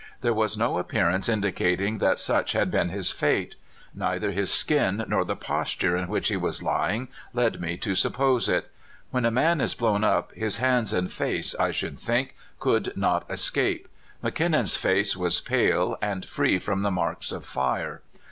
There was no appearance indicating that such had been his fate. Neither his skin nor the posture in which he was lying led me to suppose it. When a man is blown up, his hands and face, I should think, could not escape. McKinnon's face was pale and free from the marks of fire.